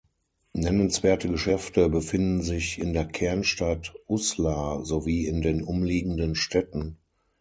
Nennenswerte Geschäfte befinden sich in der Kernstadt Uslar sowie in den umliegenden Städten.